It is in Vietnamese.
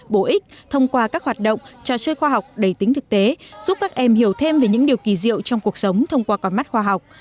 bổ ích thông qua các hoạt động trò chơi khoa học đầy tính thực tế giúp các em hiểu thêm về những điều kỳ diệu trong cuộc sống thông qua con mắt khoa học